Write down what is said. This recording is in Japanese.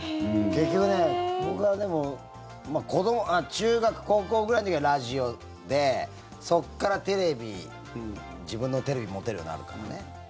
僕はでも中学高校ぐらいの時はラジオでそこからテレビ自分のテレビ持てるようになるから。